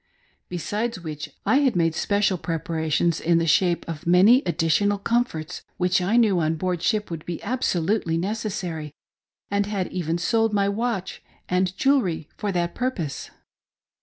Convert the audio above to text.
Besides which I had made special preparations in the shape of many additional comforts which I knew on board ship would be absolutely necessary, and had even sold my watch and jewelr)f for that purpose.